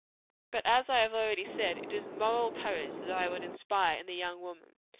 But as I have already said, it is moral courage that I would inspire in the young woman.